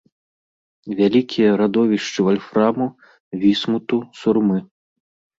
Вялікія радовішчы вальфраму, вісмуту, сурмы.